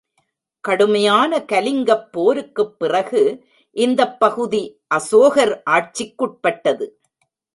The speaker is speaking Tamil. கடுமையான கலிங்கப் போருக்குப் பிறகு, இந்தப் பகுதி அசோகர் ஆட்சிக்குட்பட்டது.